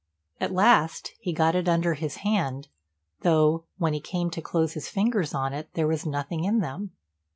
At last he got it under his hand, though, when he came to close his fingers on it, there was nothing in them.